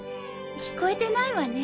聞こえてないわね。